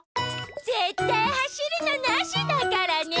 ぜったいはしるのなしだからね！